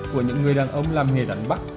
của những người đàn ông làm nghề đánh bắt